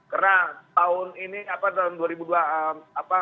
karena tahun ini apa dalam dua ribu dua belas